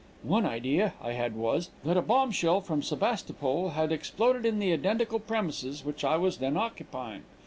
One idea I had was, that a bombshell from Sebastopol had exploded in the identical premises which I was then occupying.